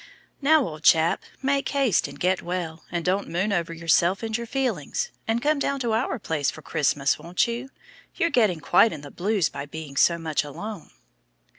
"Now, old chap, make haste and get well, and don't moon over yourself and your feelings. And come down to our place for Christmas, won't you? You're getting quite in the blues by being so much alone."